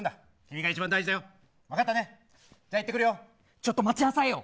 ちょっと待ちなさいよ。